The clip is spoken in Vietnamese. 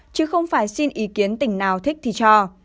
chứ không phải xin ý kiến tỉnh nào thích thì cho